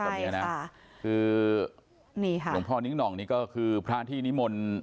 ตอนนี้นะคือนี่ค่ะหลวงพ่อนิ้งหน่องนี่ก็คือพระที่นิมนต์